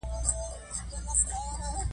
بوډۍ خپلې پښې ور ټولې کړې.